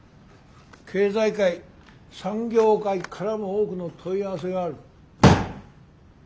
経済界産業界からも多くの問い合わせがある。